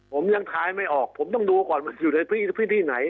ผมยังท้ายไม่ออกผมต้องดูก่อนมันอยู่ในพื้นที่ไหน